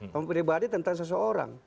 pandangan pribadi tentang seseorang